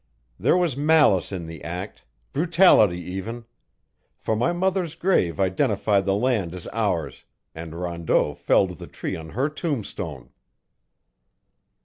There was malice in the act brutality even; for my mother's grave identified the land as ours, and Rondeau felled the tree on her tombstone."